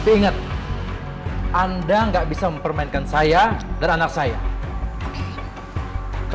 building menggunakan bensin tersebut